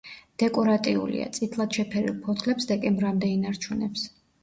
დეკორატიულია, წითლად შეფერილ ფოთლებს დეკემბრამდე ინარჩუნებს.